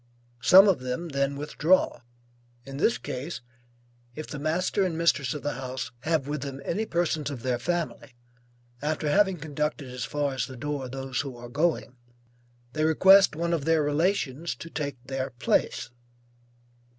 Some of them then withdraw; in this case, if the master and the mistress of the house have with them any persons of their family, after having conducted as far as the door those who are going, they request one of their relations to take their place.